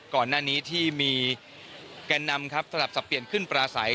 ก่อนหน้านี้ที่มีแก่นนำครับสลับสับเปลี่ยนขึ้นปลาใส